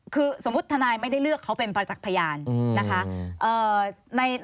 คือสมมุติทนายไม่ได้เลือกเขาเป็นประจักษ์พยานนะคะ